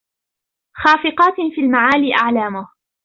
خافقاتٍ في المعالي أعلامهُ